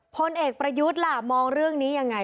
พลเอกประยุทธ์ล่ะมองเรื่องนี้ยังไง